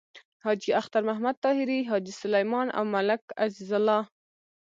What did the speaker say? حاجی اختر محمد طاهري، حاجی سلیمان او ملک عزیز الله…